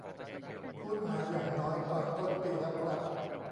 พูดมาอย่างน้อยตอนต้นปีแล้วครับ